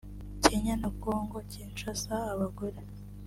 Kenya na Congo Kinshasa (abagore)